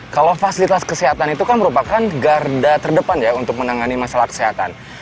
kalau fasilitas kesehatan itu kan merupakan garda terdepan ya untuk menangani masalah kesehatan